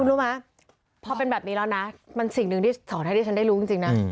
คุณรู้มั้ยพอเป็นแบบนี้แล้วนะมันสิ่งหนึ่งสอใจที่ท่านได้รู้จริงนะ